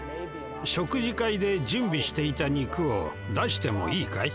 「食事会で準備していた肉を出してもいいかい？